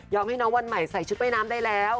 ให้น้องวันใหม่ใส่ชุดว่ายน้ำได้แล้ว